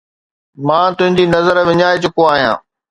مان تنهنجي نظر وڃائي چڪو آهيان